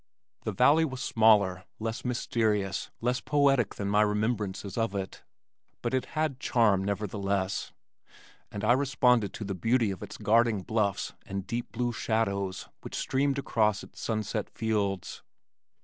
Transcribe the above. The valley was smaller, less mysterious, less poetic than my remembrances of it, but it had charm nevertheless, and I responded to the beauty of its guarding bluffs and the deep blue shadows which streamed across its sunset fields.